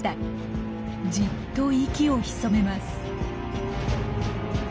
じっと息を潜めます。